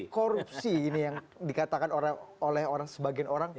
korupsi ini yang dikatakan oleh sebagian orang